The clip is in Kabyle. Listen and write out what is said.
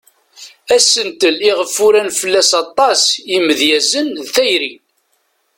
Asentel iɣef uran fell-as aṭas yimedyazen d tayri.